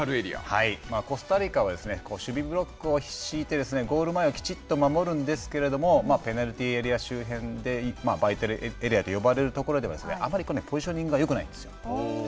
コスタリカは守備ブロックを敷いてゴール前をきちっと守るんですけれども、ペナルティーエリア周辺でバイタルエリアと呼ばれるところでは、あまりポジショニングがよくないんですよ。